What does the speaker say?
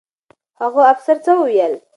هغه افسر څه وویل؟